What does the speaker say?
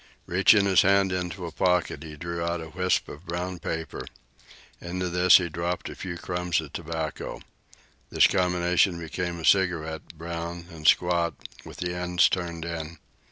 Reaching his hand into a pocket, he drew out a wisp of brown paper. Into this he dropped a few crumbs of tobacco. The combination became a cigarette, brown and squat, with the ends turned in.